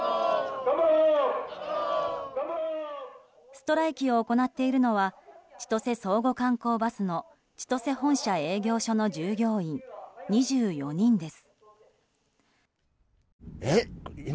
ストライキを行っているのは千歳相互観光バスの千歳本社営業所の従業員２４人です。